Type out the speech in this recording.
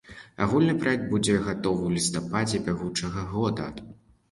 Агульны праект будзе гатовы ў лістападзе бягучага года.